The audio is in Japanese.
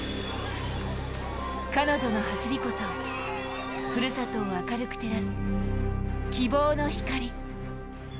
彼女の走りこそふるさとを明るく照らす希望の光。